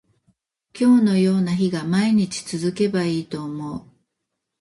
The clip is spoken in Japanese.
今日のような日が毎日続けばいいと思う